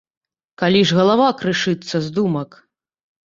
Калі ж галава крышыцца з думак.